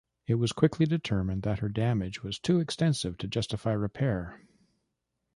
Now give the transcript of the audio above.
It was quickly determined that her damage was too extensive to justify repair.